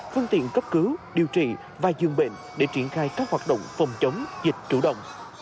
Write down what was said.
phương tiện cấp cứu điều trị và dương bệnh để triển khai các hoạt động phòng chống dịch chủ động